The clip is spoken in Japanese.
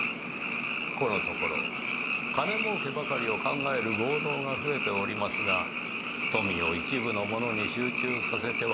このところ金もうけばかりを考える豪農が増えておりますが富を一部の者に集中させては